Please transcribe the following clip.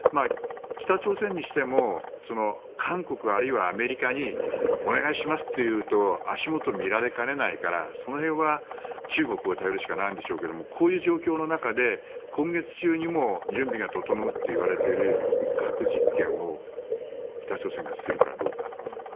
北朝鮮にしても韓国あるいはアメリカにお願いしますっていうと足元を見られかねないからその辺は中国を頼るしかないんでしょうけどこういう状況の中で今月中にも準備が整うといわれている核実験を北朝鮮がするかどうか。